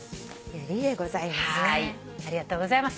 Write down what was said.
ありがとうございます。